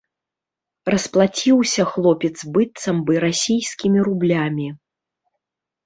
Расплаціўся хлопец быццам бы расійскімі рублямі.